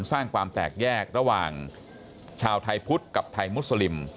สร้างความแตกแยกระหว่างชาวไทยพุทธกับไทยมุสลิม